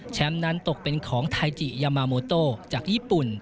นั้นตกเป็นของไทจิยามาโมโตจากญี่ปุ่น